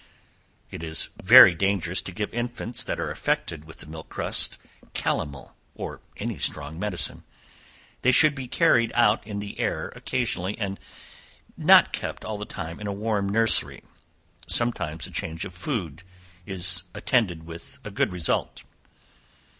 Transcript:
It is very dangerous to give infants that are affected with the milk crust, calomel, or any strong medicine. They should he carried out in the air occasionally, and not kept all the time in a warm nursery; sometimes a change of food is attended with a good result.